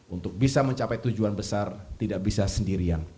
untuk bisa mencapai tujuan besar tidak bisa sendirian